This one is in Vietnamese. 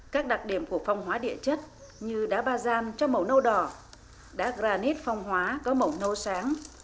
các đặc điểm của phong hóa địa chất như đá ba gian cho màu nâu đỏ đá granite phong hóa có màu nâu sáng